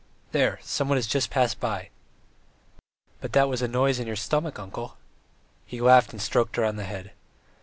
"There, someone has just passed by." "But that was a noise in your stomach, uncle." He laughed and stroked her on the head.